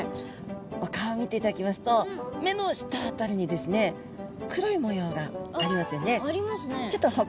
お顔を見ていただきますと目の下辺りにですね黒い模様がありますよね？ありますね。